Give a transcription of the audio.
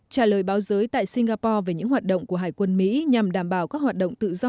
trả lời báo giới tại singapore về những hoạt động của hải quân mỹ nhằm đảm bảo các hoạt động tự do